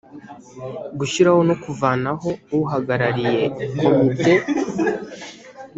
gushyiraho no kuvanaho uhagarariye komite